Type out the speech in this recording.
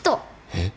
えっ？